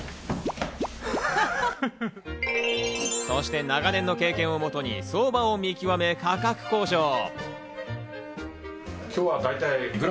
そして長年の経験をもとに相場を見極め価格交渉。